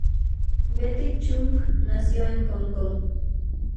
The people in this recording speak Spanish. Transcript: Betty Chung nació en Hong Kong.